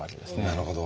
なるほど。